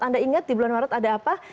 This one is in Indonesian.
anda ingat di bulan maret ada apa